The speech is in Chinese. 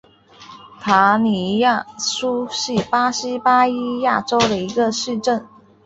塔尼亚苏是巴西巴伊亚州的一个市镇。